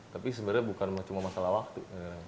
tapi sebenarnya bukan cuma masalah waktu